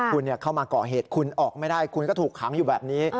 คุณเข้ามาก่อเหตุคุณออกไม่ได้คุณก็ถูกขังอยู่แบบนี้